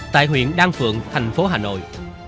tại huyện đan phượng thành phố hà nội